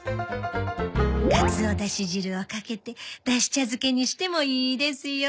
かつおダシ汁をかけてダシ茶漬けにしてもいいですよ